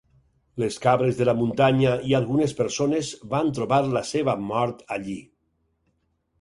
Les cabres de la muntanya i algunes persones van trobar la seva mort allí.